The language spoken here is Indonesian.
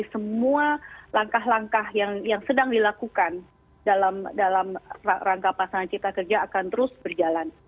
semua langkah langkah yang sedang dilakukan dalam rangka pasangan cipta kerja akan terus berjalan